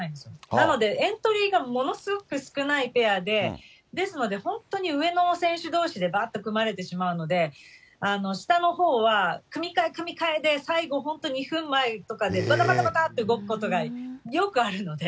なのでエントリーがものすごく少ないペアで、ですので、本当に上の選手どうしで、ばーっと組まれてしまうので、下のほうは組み替え組み替えで、最後本当、２分前とかで、ばたばたばたっと動くことがよくあるので。